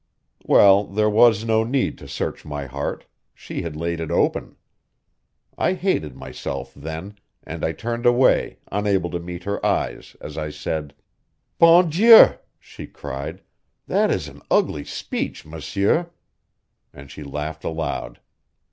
Well, there was no need to search my heart, she had laid it open. I hated myself then; and I turned away, unable to meet her eyes, as I said: "Bon Dieu!" she cried. "That is an ugly speech, monsieur!" And she laughed aloud.